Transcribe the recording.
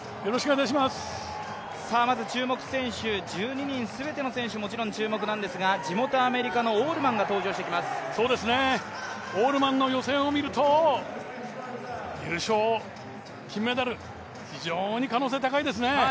まず注目選手、１２人全ての選手がもちろん注目なんですが地元アメリカのオールマンの予選を見ると優勝、金メダル非常に可能性、高いですね。